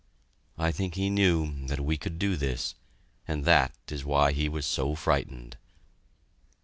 I think he knew that we could do this, and that is why he was so frightened.